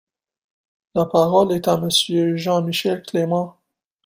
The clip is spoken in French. La parole est à Monsieur Jean-Michel Clément.